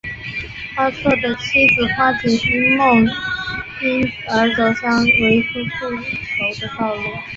花错的妻子花景因梦因而走向为夫复仇的道路。